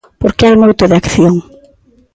Porque hai moito de acción.